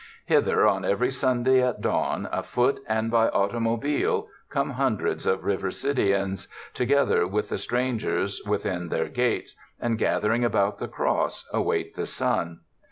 Hither, on every Sunday at dawn, afoot and by automobile, come crowds of Riversidians together with the strangers within their gates, and gathering about the cross, await the sun.